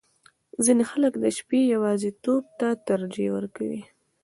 • ځینې خلک د شپې یواځیتوب ته ترجیح ورکوي.